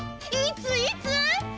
いついつ？